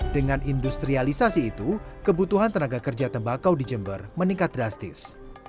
dengan industrialisasi itu kebutuhan tenaga kerja tembakau di jember meningkat drastis